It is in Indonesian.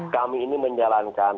kami ini menjalankan